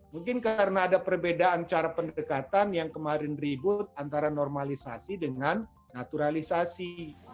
mungkin karena ada perbedaan cara pendekatan yang kemarin ribut antara normalisasi dengan naturalisasi